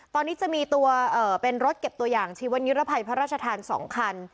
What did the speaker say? ตอนนี้จะมีตัวเป็นรถเก็บตัวอย่างชีวนิรภัยพระราชทาน๒คัน